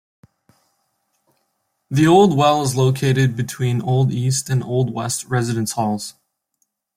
The Old Well is located between Old East and Old West residence halls.